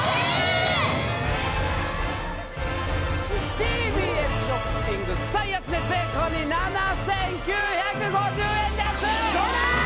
ＴＢＳショッピング最安値税込７９５０円です！